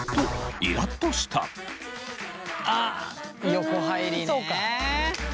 横入りね。